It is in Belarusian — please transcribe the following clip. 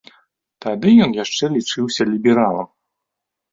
Тады ён яшчэ лічыўся лібералам.